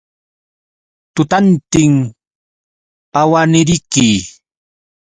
Tutantin awaniriki.